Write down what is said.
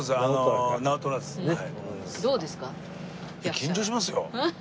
緊張しますよ。